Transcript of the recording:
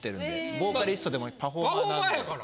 ボーカリストでもパフォーマーだから。